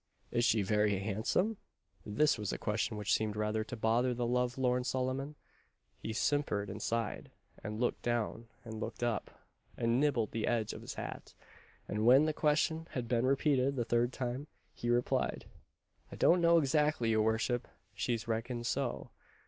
"Is she very handsome?" This was a question which seemed rather to bother the love lorn Solomon. He simpered and sighed, and looked down and looked up, and nibbled the edge of his hat; and when the question had been repeated the third time, he replied, "I don't know 'xactly, your vorship she's reckoned so.